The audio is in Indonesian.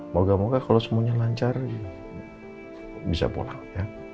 moga moga kalau semuanya lancar bisa pulang